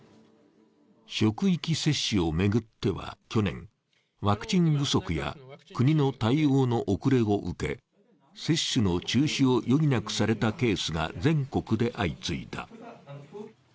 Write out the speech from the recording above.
職域接種を巡っては去年、ワクチン不足や国の対応の遅れを受け、接種の中止をよぎなくされたケースが全国で相次いだ。